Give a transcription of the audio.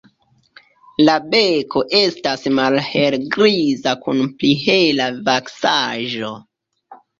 La beko estas malhelgriza kun pli hela vaksaĵo.